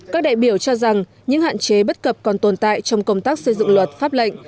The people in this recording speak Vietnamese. các đại biểu cho rằng những hạn chế bất cập còn tồn tại trong công tác xây dựng luật pháp lệnh